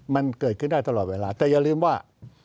มันเกิดขึ้นได้ตลอดเวลาแต่อย่าลืมว่า